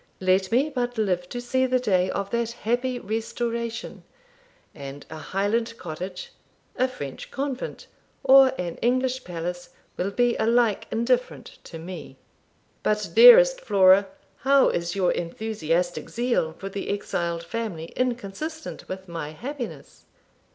Let me but live to see the day of that happy restoration, and a Highland cottage, a French convent, or an English palace will be alike indifferent to me.' 'But, dearest Flora, how is your enthusiastic zeal for the exiled family inconsistent with my happiness?'